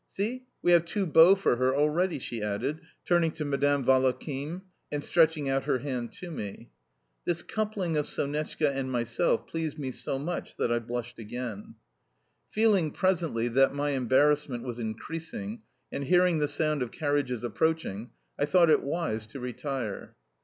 See, we have two beaux for her already," she added, turning to Madame Valakhin, and stretching out her hand to me. This coupling of Sonetchka and myself pleased me so much that I blushed again. Feeling, presently, that, my embarrassment was increasing, and hearing the sound of carriages approaching, I thought it wise to retire.